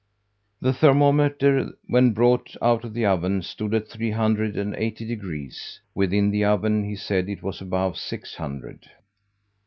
The thermometer, when brought out of the oven, stood at three hundred and eighty degrees; within the oven he said it was above six hundred.